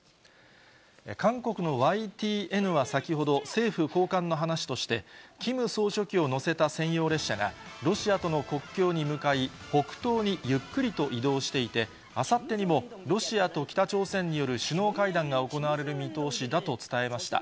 韓国のＹＴＮは先ほど、政府高官の話として、キム総書記を乗せた専用列車が、ロシアとの国境に向かい、北東にゆっくりと移動していて、あさってにもロシアと北朝鮮による首脳会談が行われる見通しだと伝えました。